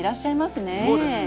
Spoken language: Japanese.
そうですね。